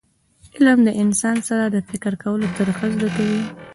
علم د انسان سره د فکر کولو طریقه زده کوي.